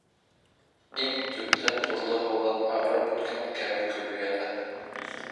Иң төптә тоҙло һыуҙан ағарып бөткән кәмә көбө ята.